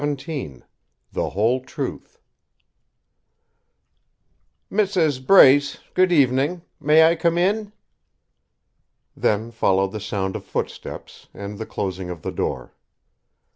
XVII "THE WHOLE TRUTH" "Mrs. Brace, good evening. May I come in?" Then followed the sound of footsteps, and the closing of the door.